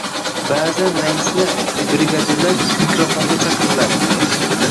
Ba’zan raislar, brigadirlar mikrofonga chaqiriladi.